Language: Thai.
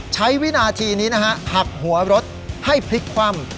วินาทีนี้นะฮะหักหัวรถให้พลิกคว่ำ